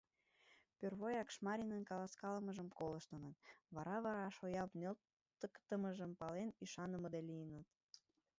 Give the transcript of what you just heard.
Пӧрвойрак Шмаринын каласкалымыжым колыштыныт, вара-вара, шоям нӧлтыктымыжым пален, ӱшаныдыме лийыныт.